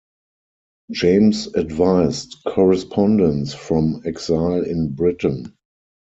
James advised "Correspondence" from exile in Britain.